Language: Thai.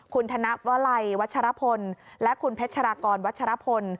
คุณธนวลัยวัชรพลและคุณเพชรากรวัชรพล